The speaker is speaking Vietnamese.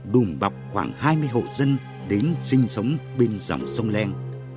đùm bọc khoảng hai mươi hồ dân đến sinh sống bên dòng sông len